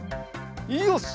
よし！